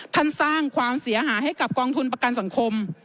สร้างความเสียหายให้กับกองทุนประกันสังคม